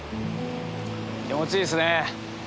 気持ちいいっすね！